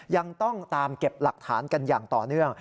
ยังต้องตามเก็บหลักฐานกันอย่างต่อเนื่อง